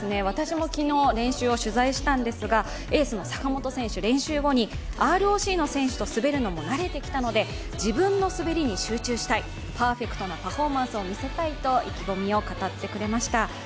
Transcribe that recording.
私も昨日、練習を取材したんですがエースの坂本選手、練習後にＲＯＣの選手と滑るのも慣れてきたので自分の滑りに集中したい、パーフェクトなパフォーマンスを見せたいと意気込みを語ってくれました。